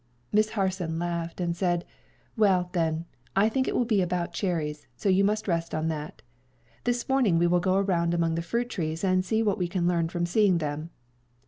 Miss Harson laughed, and said, "Well, then, I think it will be about cherries; so you must rest on that. This morning we will go around among the fruit trees and see what we can learn from seeing them."